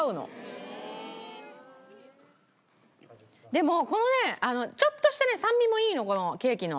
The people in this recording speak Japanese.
でもこのねちょっとした酸味もいいのこのケーキの。